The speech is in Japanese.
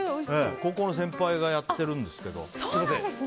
高校の先輩がやっているんですけど。